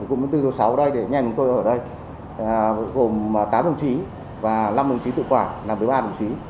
cùng với tư thủ sáu ở đây để nghe chúng tôi ở đây gồm tám đồng chí và năm đồng chí tự quản làm với ba đồng chí